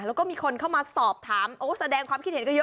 แล้วก็มีคนเข้ามาสอบถามโอ้แสดงความคิดเห็นกันเยอะ